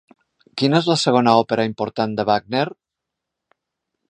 Quina és la segona òpera important de Wagner?